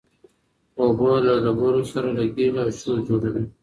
اوبه له ډبرو سره لګېږي او شور جوړوي.